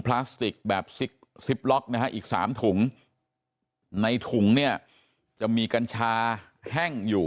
พลาสติกแบบซิปล็อกนะฮะอีก๓ถุงในถุงเนี่ยจะมีกัญชาแห้งอยู่